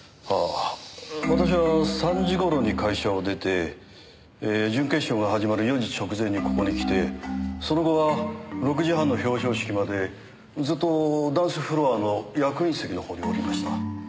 私は３時頃に会社を出て準決勝が始まる４時直前にここに来てその後は６時半の表彰式までずっとダンスフロアの役員席の方におりました。